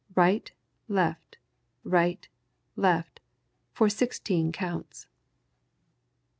Right, left, right, left, for sixteen counts.